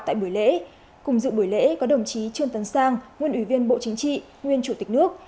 tại buổi lễ cùng dự buổi lễ có đồng chí trương tấn sang nguyên ủy viên bộ chính trị nguyên chủ tịch nước